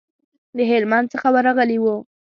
د هلمند څخه ورغلي وو.